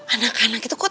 anak anak itu kok